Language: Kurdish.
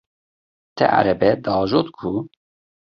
Te erebe diajot ku?